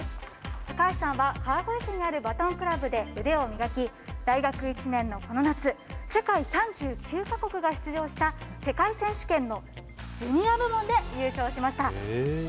高橋さんは川越市にあるバトンクラブで腕を磨き大学１年のこの夏、世界３９か国が出場した世界選手権のジュニア部門で優勝しました。